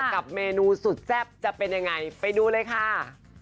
กับเมนูสุดแซ่บจะเป็นยังไงไปดูเลยค่ะ